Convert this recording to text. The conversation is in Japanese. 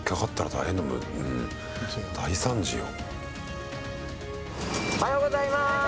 大惨事よ。